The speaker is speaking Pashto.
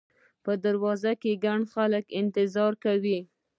په دروازو کې ګڼ خلک انتظار کاوه.